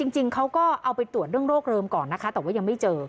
จริงเขาก็เอาไปตรวจเรื่องโรคเริมก่อนนะคะแต่ว่ายังไม่เจอ